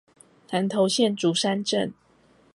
南投縣竹山鎮